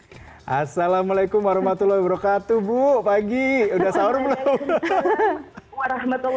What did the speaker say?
hai assalamualaikum warahmatullah wabarakatuh bu pagi udah sahur belum